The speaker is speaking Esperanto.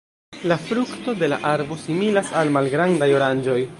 La frukto de la arbo similas al malgrandaj oranĝoj.